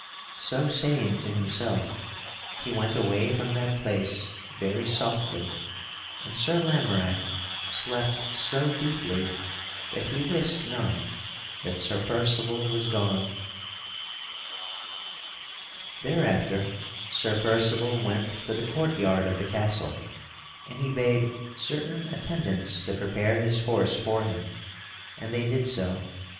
So saying to himself, he went away from that place very softly, and Sir Lamorack slept so deeply that he wist not that Sir Percival was gone. [Sidenote: Sir Percival leaves Sir Lamorack] Thereafter Sir Percival went to the courtyard of the castle and he bade certain attendants to prepare his horse for him, and they did so.